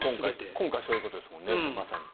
今回そういうことですもんね。